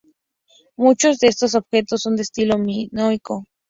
Muchos de estos objetos son de estilo minoico.